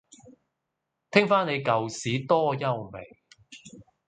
聽返你舊屎多優美